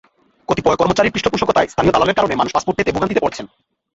কতিপয় কর্মচারীর পৃষ্ঠপোষকতায় স্থানীয় দালালের কারণে মানুষ পাসপোর্ট পেতে ভোগান্তিতে পড়ছেন।